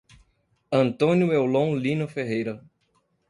Antônio Eulon Lino Ferreira